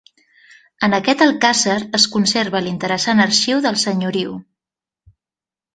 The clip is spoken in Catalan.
En aquest alcàsser es conserva l'interessant arxiu del senyoriu.